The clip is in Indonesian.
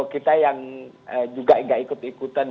kita yang juga tidak ikut ikutan